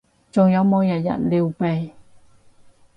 仲有冇日日撩鼻？